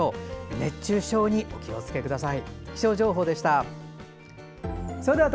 熱中症にお気をつけください。